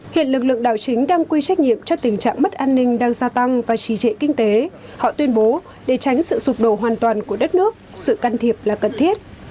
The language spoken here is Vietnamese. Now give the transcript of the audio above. hiện lực lượng đảo chính đang quy trách nhiệm cho tình trạng mất an ninh đang gia tăng và trì trệ kinh tế họ tuyên bố để tránh sự sụp đổ hoàn toàn của đất nước sự can thiệp là cần thiết